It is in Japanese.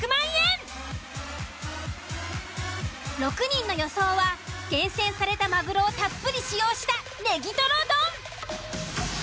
６人の予想は厳選されたまぐろをたっぷり使用したねぎとろ丼。